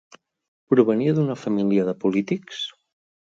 Provenia d'una família de polítics?